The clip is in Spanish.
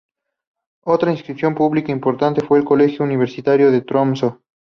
Otra institución pública importante fue el Colegio Universitario de Tromsø.